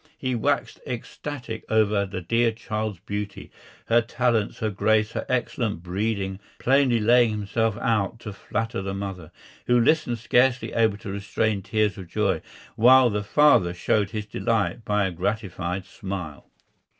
He waxed ecstatic over the dear child's beauty, her talents, her grace, her excellent breeding, plainly laying himself out to flatter the mother, who listened scarcely able to restrain tears of joy, while the father showed his delight by a gratified smile.